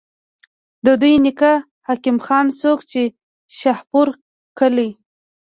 د دوي نيکۀ حکيم خان، څوک چې د شاهپور کلي